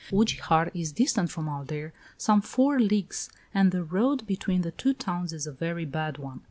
III. Ugijar is distant from Aldeire some four leagues, and the road between the two towns is a very bad one.